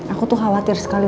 aku tuh khawatir sekali